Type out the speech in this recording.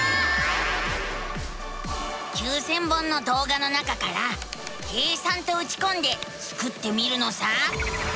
９，０００本のどうがの中から「計算」とうちこんでスクってみるのさ。